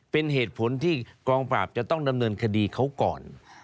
เป็นเหตุผลที่กองปราบจะต้องดำเนินคดีเขาก่อน